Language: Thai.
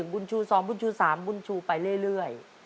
บุญชู๒บุญชู๓บุญชูไปเรื่อย